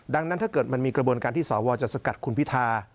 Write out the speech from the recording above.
ดังนั้นถ้าเกิดมันมีกระบวนการที่สวจะสกัดคุณพิธา